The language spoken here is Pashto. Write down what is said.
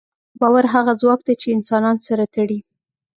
باور هغه ځواک دی، چې انسانان سره تړي.